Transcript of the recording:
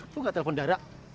kau nggak telepon dara